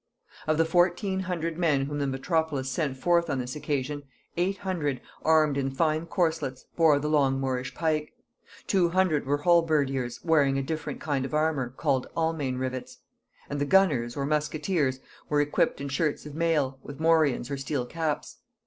Of the fourteen hundred men whom the metropolis sent forth on this occasion, eight hundred, armed in fine corselets, bore the long Moorish pike; two hundred were halberdiers wearing a different kind of armour, called Almain rivets; and the gunners, or musketeers, were equipped in shirts of mail, with morions or steel caps.